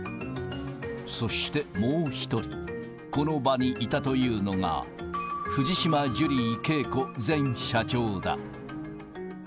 そしてもう１人、この場にいたというのが、藤島ジュリー景子前社長だ。